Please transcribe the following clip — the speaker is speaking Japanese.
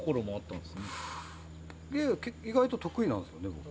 意外と得意なんですよね。